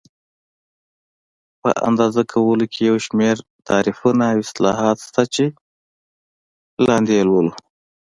په اندازه کولو کې یو شمېر تعریفونه او اصلاحات شته چې لاندې یې لولو.